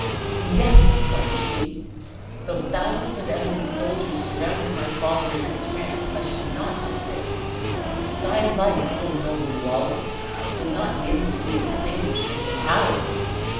"Yes," cried she, "though thousands of Edward's soldiers surrounded my father and his friend, I should not despair. Thy life, O noble Wallace, was not give to be extinguished in an hour!